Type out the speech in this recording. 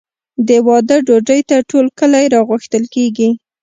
د واده ډوډۍ ته ټول کلی راغوښتل کیږي.